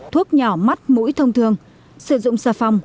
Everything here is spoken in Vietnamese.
thuốc nhỏ mắt mũi thông thường sử dụng xà phòng